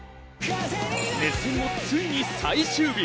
熱戦もついに最終日。